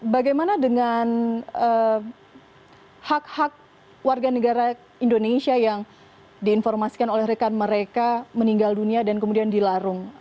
bagaimana dengan hak hak warga negara indonesia yang diinformasikan oleh rekan mereka meninggal dunia dan kemudian dilarung